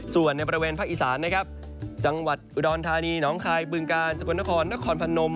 ส่วนในประเวณภาคอีสานจังหวัดอุดอนภารีหนองคายปืงการจวนนครนครพนม